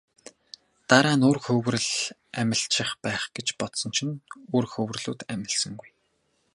Дараа нь үр хөврөл амилчих байх гэж бодсон чинь үр хөврөлүүд амилсангүй.